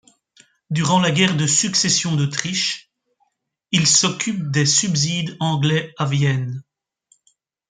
Durant la Guerre de Succession d'Autriche, il s'occupe de subsides anglais à Vienne.